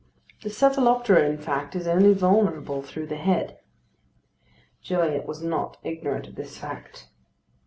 The cephaloptera, in fact, is only vulnerable through the head. Gilliatt was not ignorant of this fact.